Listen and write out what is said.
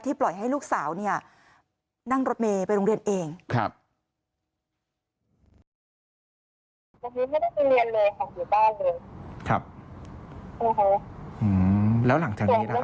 ที่ปล่อยให้ลูกสาวนั่งรถเมล์ไปโรงเรียนเอง